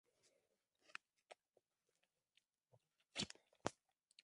Es una canción popular que se ha mantenido con los años.